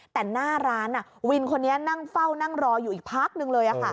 แต่หน้าร้านวินคนนี้นั่งเฝ้านั่งรออยู่อีกพักนึงเลย